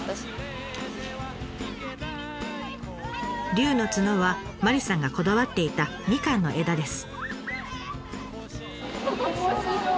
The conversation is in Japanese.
竜の角は麻里さんがこだわっていたみかんの枝です。